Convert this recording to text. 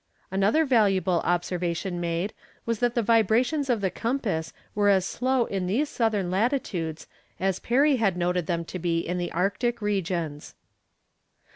Another valuable observation made, was that the vibrations of the compass were as slow in these southern latitudes as Parry had noted them to be in the Arctic regions.